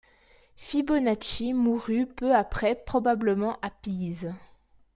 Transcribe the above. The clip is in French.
Fibonacci mourut peu après, probablement à Pise.